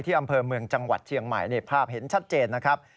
อำเภอเมืองจังหวัดเชียงใหม่ภาพเห็นชัดเจนนะครับ